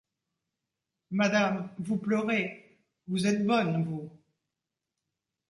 Madame, vous pleurez, vous êtes bonne, vous!